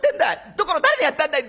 「どこの誰にやったんだい！」。